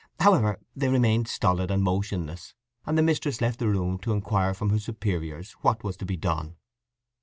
However, they remained stolid and motionless, and the mistress left the room to inquire from her superiors what was to be done.